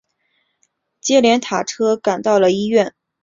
接连搭车赶到了医院